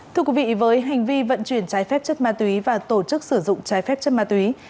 thưa quý vị với hành vi vận chuyển trái phép chất ma túy và tổ chức sử dụng trái phép chất ma túy